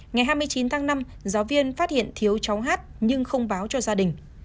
ngày hai mươi chín tháng năm giáo viên phát hiện thiếu cháu hát nhưng không báo cho gia đình